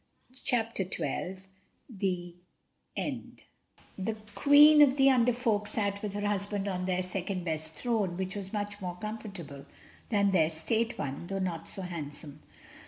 CHAPTER TWELVE The End THE QUEEN of the Under Folk sat with her husband on their second best throne, which was much more comfortable than their State one, though not so handsome.